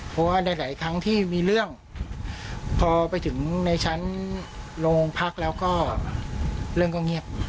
เพราะว่าหลายครั้งที่มีเรื่องพอไปถึงในชั้นโรงพักแล้วก็เรื่องก็เงียบ